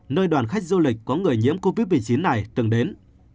nơi đoàn khách du lịch có người nhiễm covid một mươi chín này từng đến